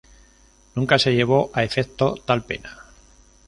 Nunca se llevó a efecto tal pena.